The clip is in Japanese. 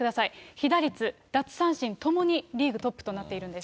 被打率、奪三振ともにリーグトップとなっているんです。